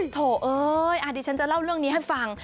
โถเอ้ยดิฉันจะเล่าเรื่องนี้ให้ฟัง